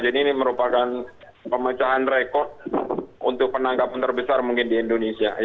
jadi ini merupakan pemecahan rekod untuk penangkapan terbesar mungkin di indonesia